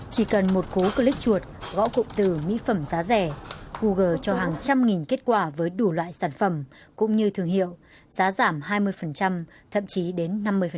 chỉ cần một cú click chuột gõ cụm từ mỹ phẩm giá rẻ google cho hàng trăm nghìn kết quả với đủ loại sản phẩm cũng như thương hiệu giá giảm hai mươi thậm chí đến năm mươi